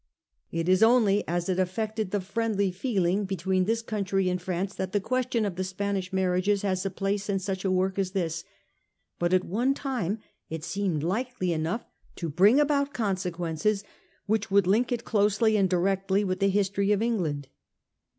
It is only as it affected the friendly feel ing between this country and France that the ques tion of the Spanish marriages has a place in such a work as this ; but at one time it seemed likely enough to bring about consequences which would link it closely and directly with the history of Eng land.